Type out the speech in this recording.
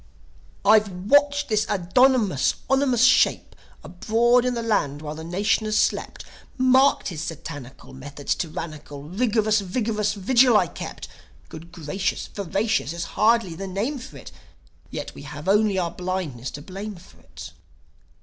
"I've watched his abdominous, ominous shape Abroad in the land while the nation has slept, Marked his satanical Methods tyrannical; Rigorous, vigorous vigil I kept. Good gracious! Voracious is hardly the name for it! Yet we have only our blindness to blame for it.